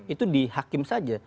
itu di hakim saja